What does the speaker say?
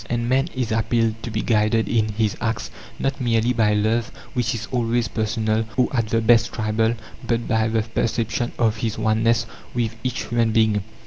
And man is appealed to to be guided in his acts, not merely by love, which is always personal, or at the best tribal, but by the perception of his oneness with each human being.